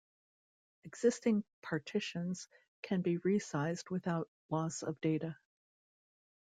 Existing partitions can be resized without loss of data.